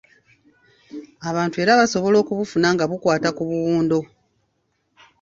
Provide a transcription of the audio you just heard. Abantu era basobola okubufuna nga bakwata ku buwundo.